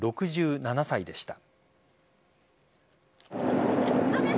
６７歳でした。